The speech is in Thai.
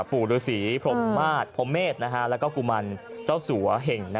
ปู่ดูสีพรหมาฏพรมเมษน่าฮะแล้วก็กุรุมรรย์เจ้าสวเห่งนะ